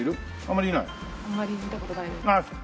あんまり見た事ないです。